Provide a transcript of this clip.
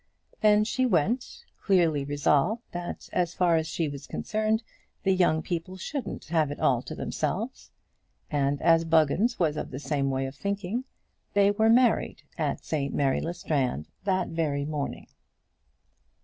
Then she went, clearly resolved, that as far as she was concerned, the young people shouldn't have it all to themselves; and as Buggins was of the same way of thinking, they were married at St Mary le Strand that very morning.